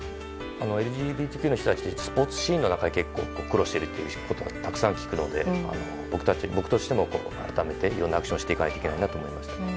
ＬＧＢＴＱの人たちってスポーツシーンの中で結構苦労しているという話をたくさん聞くので僕としても改めていろんなアクションをしていかないといけないなと思います。